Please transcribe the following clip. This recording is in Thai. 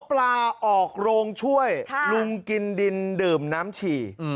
ปลาออกโรงช่วยลุงกินดินดื่มน้ำฉี่